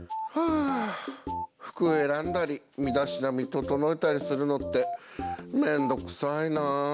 あ服選んだり身だしなみ整えたりするのって面倒くさいな。